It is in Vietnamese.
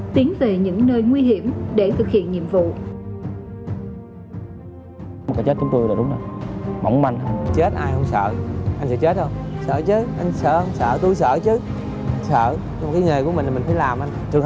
tiến về những nơi nguy hiểm để thực hiện nhiệm vụ